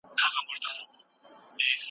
توازن د اقتصاد د بقا لپاره اړین دی.